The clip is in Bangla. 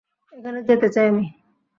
এখানে যেতে চাই আমি।